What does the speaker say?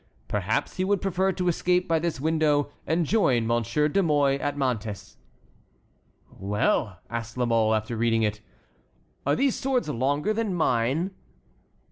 Perhaps he would prefer to escape by this window and join Monsieur de Mouy at Mantes"— "Well!" asked La Mole, after reading it, "are these swords longer than mine?"